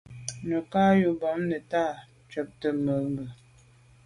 Nə̀ cǎ ú rə̀ bɑ́mə́ nə̀tâ ncûptə̂ mû’ bə̀.